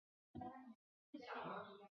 芒乌沃。